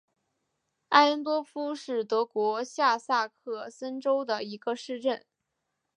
艾恩多夫是德国下萨克森州的一个市镇。